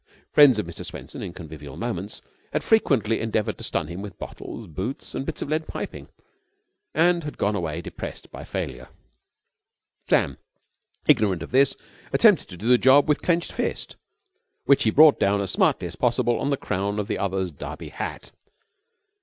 Friends of Mr. Swenson, in convivial moments, had frequently endeavoured to stun him with bottles, boots, and bits of lead piping, and had gone away depressed by failure. Sam, ignorant of this, attempted to do the job with clenched fist, which he brought down as smartly as possible on the crown of the other's Derby hat.